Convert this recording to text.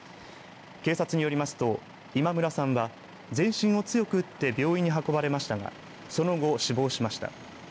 警察によりますと、今村さんは全身を強く打って病院に運ばれましたがその後、死亡しました。